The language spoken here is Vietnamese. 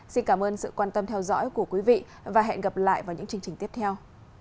xin cảm ơn sự quan tâm theo dõi của quý vị và hẹn gặp lại vào những chương trình tiếp theo